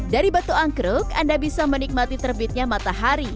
dari batu angkruk anda bisa menikmati terbitnya matahari